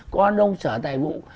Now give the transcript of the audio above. con ông sở tài vụ